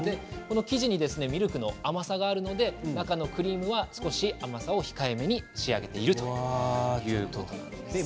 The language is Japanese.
生地にミルクの甘さがあるので中のクリームは少し甘さを控えめに仕上げているということです。